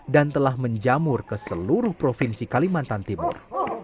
dan telah menjamur ke seluruh provinsi kalimantan timur